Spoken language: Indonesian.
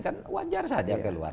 kan wajar saja keluar